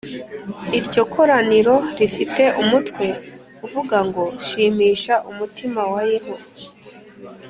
. Iryo koraniro rifite umutwe uvuga ngo: “Shimisha umutima wa Yeho